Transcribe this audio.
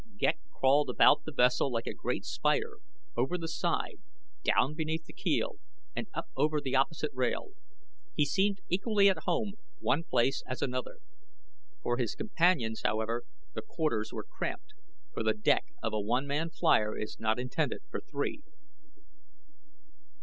Ghek crawled about the vessel like a great spider over the side, down beneath the keel, and up over the opposite rail. He seemed equally at home one place as another. For his companions, however, the quarters were cramped, for the deck of a one man flier is not intended for three.